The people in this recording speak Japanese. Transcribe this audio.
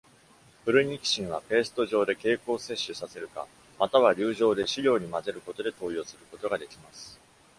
フルニキシンは、ペースト状で経口摂取させるか、または粒状で飼料にまぜることで投与することができます。